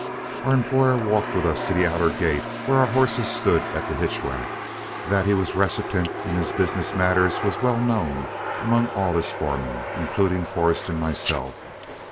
Our employer walked with us to the outer gate where our horses stood at the hitch rack. That he was reticent in his business matters was well known among all his old foremen, including Forrest and myself.